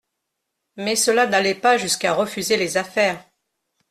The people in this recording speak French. Mais cela n'allait pas jusqu'à refuser les affaires.